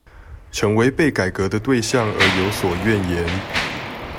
成為被改革的對象而有所怨言